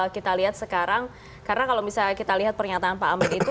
kita lihat sekarang karena kalau misalnya kita lihat pernyataan pak amin itu